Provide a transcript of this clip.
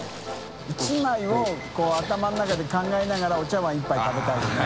泳腓こう頭の中で考えながらお茶わん１杯食べたいよね。